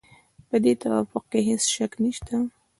په دې توافق کې هېڅ شک نشته.